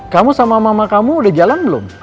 kamu sama mama kamu udah jalan belum